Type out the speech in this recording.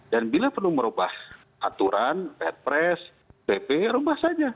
dan bila perlu merubah aturan petpres bp rubah saja